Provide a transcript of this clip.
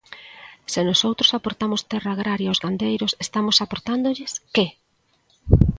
Se nosoutros aportamos terra agraria aos gandeiros, estamos aportándolles ¿que?